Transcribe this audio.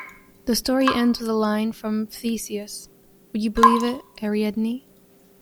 The story ends with a line from Theseus - Would you believe it, Ariadne?